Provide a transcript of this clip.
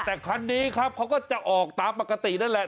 แต่คันนี้ครับเขาก็จะออกตามปกตินั่นแหละ